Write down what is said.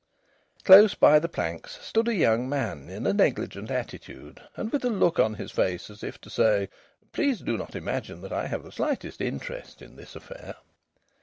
Close by the planks stood a young man in a negligent attitude, and with a look on his face as if to say: "Please do not imagine that I have the slightest interest in this affair."